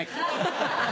ハハハ！